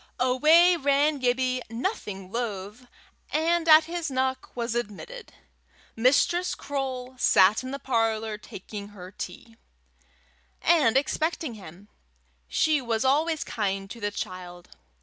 Away ran Gibbie, nothing loath, and at his knock was admitted. Mistress Croale sat in the parlour, taking her tea, and expecting him. She was always kind to the child.